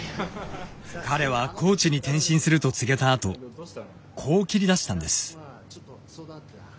彼はコーチに転身すると告げたあとこう切りだしたんです。